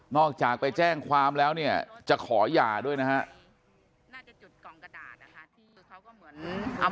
นอกจากไปแจ้งความแล้วเนี่ยจะขอยาด้วยนะฮะ